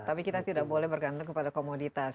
tapi kita tidak boleh bergantung kepada komoditas